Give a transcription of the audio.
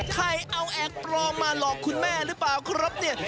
ใครเอาแอกปลอมมาหลอกคุณแม่หรือเปล่าครับเนี่ย